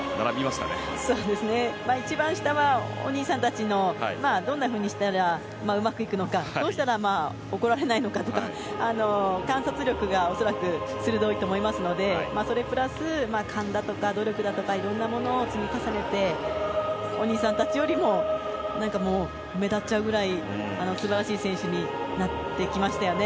一番下はお兄さんたちのどんなふうにしたらうまくいくのかどうしたら怒られないのかとか観察力が、恐らく鋭いと思いますので、それプラス勘だとか、努力だとかいろんなものを積み重ねてお兄さんたちよりも、何か目立っちゃうくらい素晴らしい選手になりましたね。